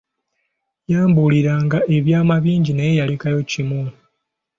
Yambulira nga ebyama bingi naye yalekayo kimu.